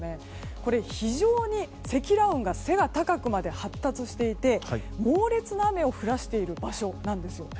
これ、非常に積乱雲が背が高くまで発達していて猛烈な雨を降らしている場所なんです。